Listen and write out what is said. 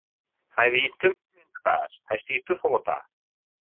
Hy wie te min de baas, hy stie te folle ta.